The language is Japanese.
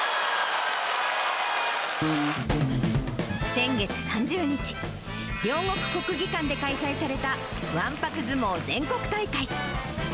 先月３０日、両国国技館で開催されたわんぱく相撲全国大会。